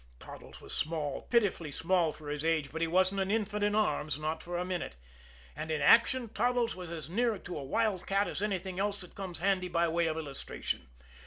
Toddles was small, pitifully small for his age; but he wasn't an infant in arms not for a minute. And in action Toddles was as near to a wild cat as anything else that comes handy by way of illustration.